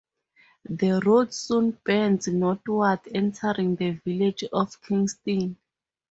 The route soon bends northward entering the village of Kingston.